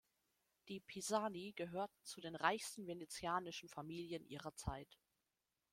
Die Pisani gehörten zu den reichsten venezianischen Familien ihrer Zeit.